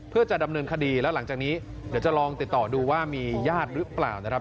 เพื่อจะดำเนินคดีแล้วหลังจากนี้เดี๋ยวจะลองติดต่อดูว่ามีญาติหรือเปล่านะครับ